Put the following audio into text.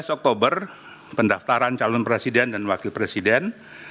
dua belas oktober pendaftaran calon presiden dan wakil presiden